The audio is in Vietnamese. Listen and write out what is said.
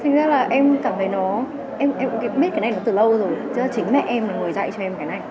thì thực ra là em cảm thấy nó em cũng biết cái này từ lâu rồi tức là chính mẹ em là người dạy cho em cái này